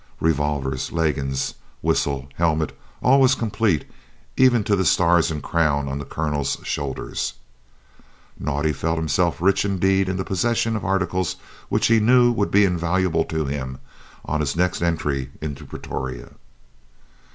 Revolvers, leggings, whistle, helmet, all was complete, even to the stars and crown on the Colonel's shoulders. Naudé felt himself rich indeed in the possession of articles which he knew would be invaluable to him on his next entry into Pretoria.